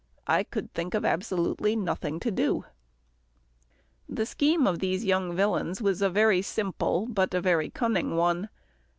I could think of absolutely nothing to do. The scheme of these young villains was a very simple, but a very cunning one.